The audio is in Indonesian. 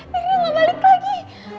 biar dia gak balik lagi